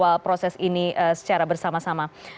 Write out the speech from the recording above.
dan juga mengawal proses ini secara bersama sama